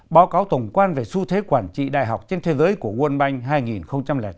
báo cáo tổng quan về xu thế quản trị đại học trên thế giới của world bank hai nghìn chín